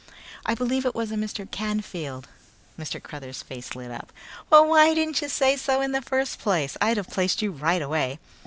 "I believe it was a Mr. Canfield." Mr. Cruthers' face lit up. "Well, why didn't you say so in the first place! I'd have placed you right away."